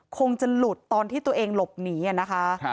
คงจะหลุดตอนที่ตัวเองหลบหนีนะคะ